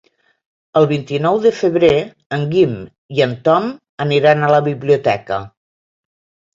El vint-i-nou de febrer en Guim i en Tom aniran a la biblioteca.